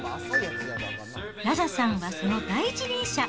ラザさんはその第一人者。